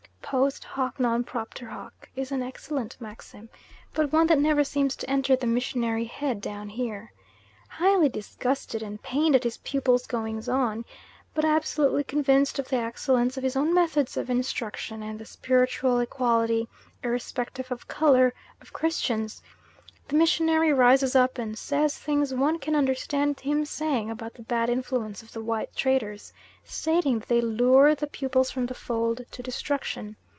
"Post hoc non propter hoc" is an excellent maxim, but one that never seems to enter the missionary head down here. Highly disgusted and pained at his pupils' goings on, but absolutely convinced of the excellence of his own methods of instruction, and the spiritual equality, irrespective of colour, of Christians; the missionary rises up, and says things one can understand him saying about the bad influence of the white traders; stating that they lure the pupils from the fold to destruction.